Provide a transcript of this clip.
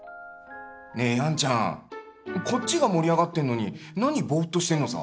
ねえヤンちゃんこっちが盛り上がってんのに何ボーッとしてんのさ！